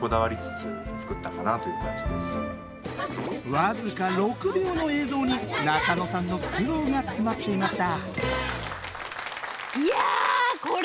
僅か６秒の映像に中野さんの苦労が詰まっていました。